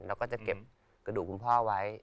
เราก็จะเก็บกระดูกคุณพ่อไว้